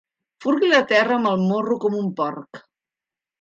Furgui la terra amb el morro com un porc.